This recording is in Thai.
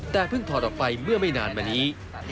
แต่เพิ่งถอดออกไปเมื่อไม่นานมานี้